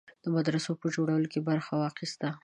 د مدرسو په جوړولو کې برخه واخیسته.